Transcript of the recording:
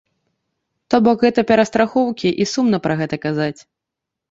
То бок гэта перастрахоўкі і сумна пра гэта казаць.